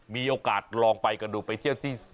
มีโอกาสลองไปกันดูไปเที่ยวที่